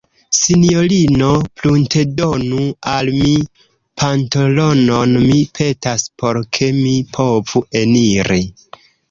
Sinjorino, pruntedonu al mi pantalonon, mi petas, por ke mi povu eniri.